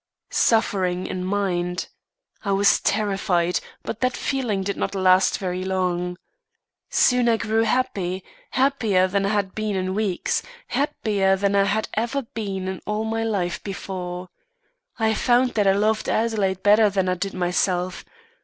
"Suffering in my mind. I was terrified, but that feeling did not last very long. Soon I grew happy, happier than I had been in weeks, happier than I had ever been in all my life before. I found that I loved Adelaide better than I did myself.